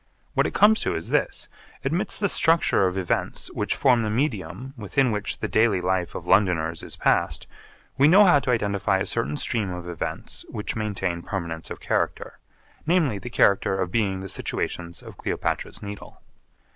What it comes to is this: Amidst the structure of events which form the medium within which the daily life of Londoners is passed we know how to identify a certain stream of events which maintain permanence of character, namely the character of being the situations of Cleopatra's Needle.